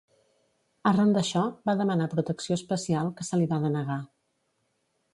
Arran d'això, va demanar protecció especial, que se li va denegar.